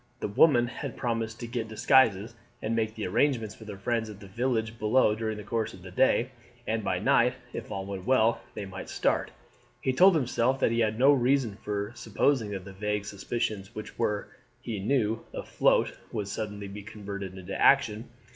The woman had promised to get disguises, and make the arrangements with her friends at the village below during the course of the day, and by night, if all went well, they might start. He told himself that he had no reason for supposing that the vague suspicions which were, he knew, afloat would suddenly be converted into action.